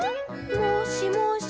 「もしもし？